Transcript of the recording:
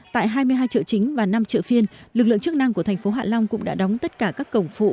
tại hai mươi hai chợ chính và năm chợ phiên lực lượng chức năng của thành phố hạ long cũng đã đóng tất cả các cổng phụ